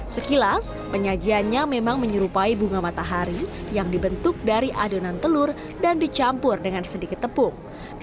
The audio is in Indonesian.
sekilas penyajiannya memang menyerupai bunga matahari yang dibentuk dari adonan telur dan dicampur dengan sedikit tepung